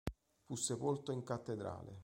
Fu sepolto in cattedrale.